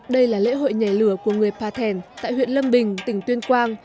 đây là lễ hội nhảy lửa của người pà thèn tại huyện lâm bình tỉnh tuyên quang